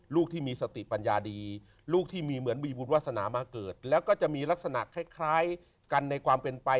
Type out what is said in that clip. ลูกที่มีสติปัญญาดีลูกที่มีเหมือนมีบุญวาสนามาเกิดแล้วก็จะมีลักษณะคล้ายกันในความเป็นไป